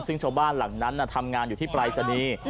ซึ่งชาวบ้านหลังนั้นทำงานอยู่ที่ปรายศนีย์